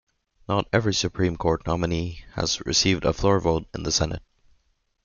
Not every Supreme Court nominee has received a floor vote in the Senate.